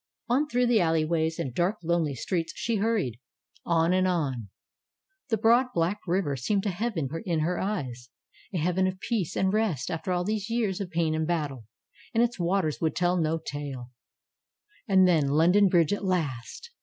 On through the alleyways and dark, lonely streets she hurried. On and on ! The broad, black river seemed a heaven in her eyes; a heaven of peace and rest after all these years of pain and battle. And its waters would tell no tale. And then London Bridge at last!